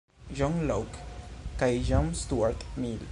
John Locke kaj John Stuart Mill.